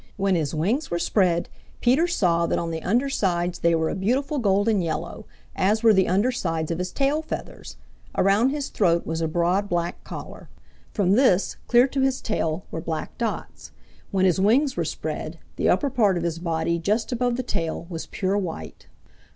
When his wings were spread, Peter saw that on the under sides they were a beautiful golden yellow, as were the under sides of his tail feathers. Around his throat was a broad, black collar. From this, clear to his tail, were black dots. When his wings were spread, the upper part of his body just above the tail was pure white.